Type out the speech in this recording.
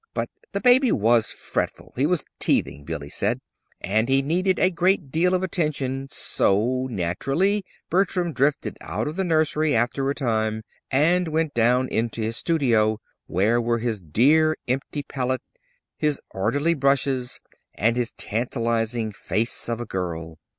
But the baby was fretful he was teething, Billy said and he needed a great deal of attention; so, naturally, Bertram drifted out of the nursery, after a time, and went down into his studio, where were his dear, empty palette, his orderly brushes, and his tantalizing "Face of a Girl."